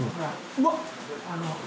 うわっ！